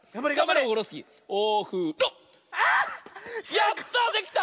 やった！